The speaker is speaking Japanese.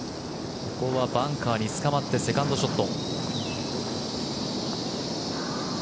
ここはバンカーにつかまってセカンドショット。